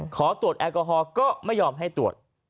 ขอตรวจแอลกอฮอล์ก็ไม่ยอมให้ตรวจ